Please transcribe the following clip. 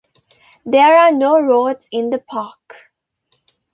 There are no roads in the park.